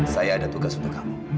saya ada tugas untuk kamu